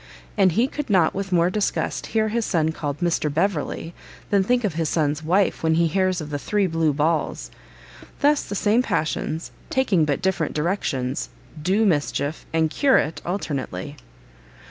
And he could not with more disgust hear his son called Mr Beverley, than think of his son's wife when he hears of the Three Blue Balls! Thus the same passions, taking but different directions, do mischief and cure it alternately.